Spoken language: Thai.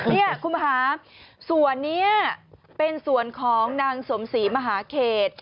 นี่คุณผู้ชมค่ะส่วนนี้เป็นส่วนของนางสมศรีมหาเขต